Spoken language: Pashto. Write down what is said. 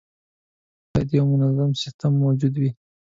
باید یو منظم سیستم موجود وي.